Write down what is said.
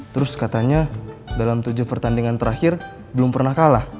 terus katanya dalam tujuh pertandingan terakhir belum pernah kalah